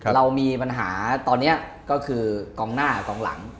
เรามีปัญหาตอนนี้ก็คือกองหน้ากองหลัง